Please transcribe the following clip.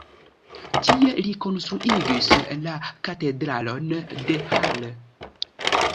Tie li konstruigis la Katedralon de Halle.